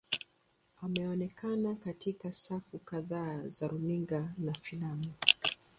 Ameonekana katika safu kadhaa za runinga na filamu.